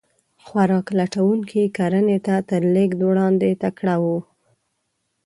خوراک لټونکي کرنې ته تر لېږد وړاندې تکړه وو.